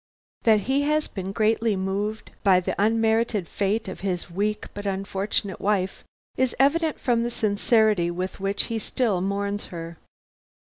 That he has been greatly moved by the unmerited fate of his weak but unfortunate wife, is evident from the sincerity with which he still mourns her.